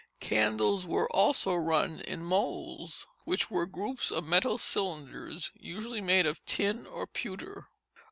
Candles were also run in moulds which were groups of metal cylinders, usually made of tin or pewter.